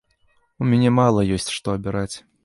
У мяне мала ёсць што абіраць.